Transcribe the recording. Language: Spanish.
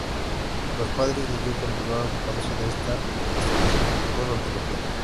Los padres de Yu continuaron ocupándose de ella hasta que se publicó su antología.